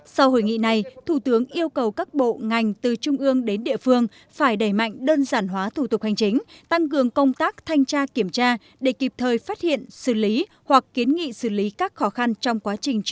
sau hội nghị này thủ tướng yêu cầu các bộ ngành từ trung ương đến địa phương phải đẩy mạnh đơn giản hóa thủ tục hành chính tăng cường công tác thanh tra kiểm tra để kịp thời phát hiện xử lý hoặc kiến nghị xử lý các khó khăn trong quá trình xử lý